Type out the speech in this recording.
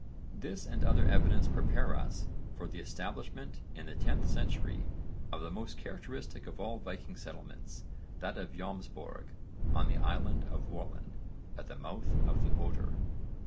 This and other evidence prepare us for the establishment, in the tenth century, of the most characteristic of all Viking settlements, that of Jómsborg on the Island of Wollin at the mouth of the Oder.